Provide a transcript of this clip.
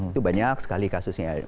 itu banyak sekali kasusnya